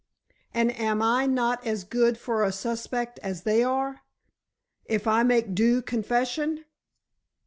"And am I not as good for a suspect as they are—if I make due confession?"